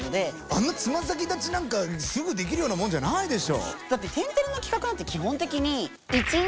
あんなつま先立ちなんかすぐできるようなもんじゃないでしょ。